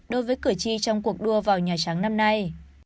đối với cử tri trong cuộc đua vào nhà trắng năm nay